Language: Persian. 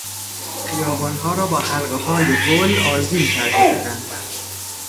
خیابانها را با حلقههای گل آذین کرده بودند.